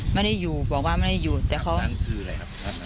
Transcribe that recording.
ไม่ได้อยู่บอกว่าไม่ได้อยู่แต่เขานั่นคืออะไรครับ